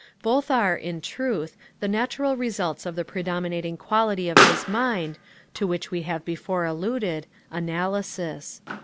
Both are, in truth, the natural results of the predominating quality of his mind, to which we have before alluded, analysis.